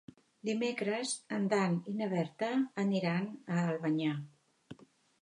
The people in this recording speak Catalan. Dimecres en Dan i na Berta aniran a Albanyà.